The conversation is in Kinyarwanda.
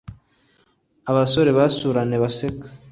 abasore basurane baseka